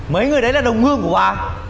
mấy người đấy là đồng ương của bà